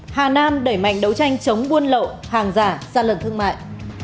hà nam đẩy mạnh đấu tranh chống buôn lậu hàng giả ra lần thương mại